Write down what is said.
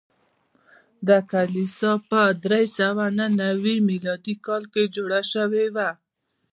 دا کلیسا په درې سوه نهه نوي میلادي کال کې جوړه شوې وه.